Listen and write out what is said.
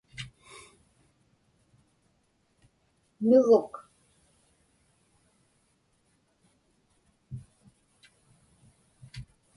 Nuvuk